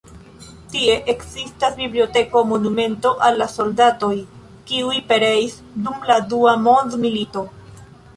Tie ekzistas biblioteko, monumento al la soldatoj, kiuj pereis dum la Dua Mondmilito.